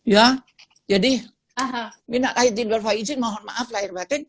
ya jadi minat saya diberi izin mohon maaf lahir batin